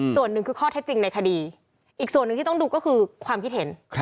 ส่วนหนึ่งคือข้อเท็จจริงในคดีอีกส่วนหนึ่งที่ต้องดูก็คือความคิดเห็น